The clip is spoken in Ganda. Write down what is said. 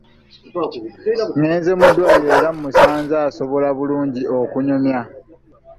Ngenze mu ddwaliro era mmusanze asobola bulungi okunyumya.